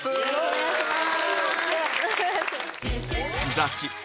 お願いします。